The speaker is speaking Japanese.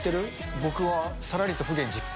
僕はさらりと不言実行。